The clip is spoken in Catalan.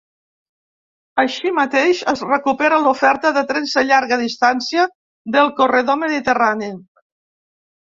Així mateix, es recupera l’oferta de trens de llarga distància del corredor mediterrani.